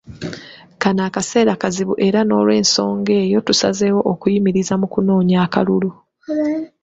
Kano akaseera kazibu era olw’ensonga eyo tusazeewo okuyimiriza mu kunoonya akalulu.